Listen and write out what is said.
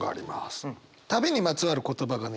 旅にまつわる言葉がね